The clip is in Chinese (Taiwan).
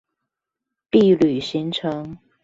畢旅行程